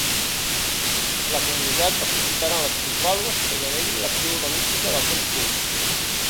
La comunitat participarà en les plusvàlues que genere l’acció urbanística dels ens públics.